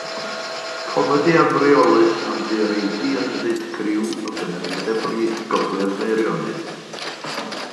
Comedi afreolus am ddireidi ynfyd criw o gymeriadau brith gogledd Meirionnydd.